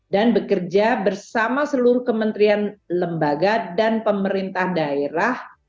dan bekerja bersama seluruh kementerian lembaga dan pemerintah daerah